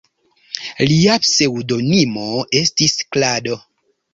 Lia pseŭdonimo estis "Klado".